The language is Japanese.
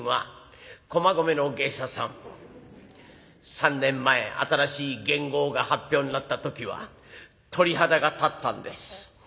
３年前新しい元号が発表になった時は鳥肌が立ったんです。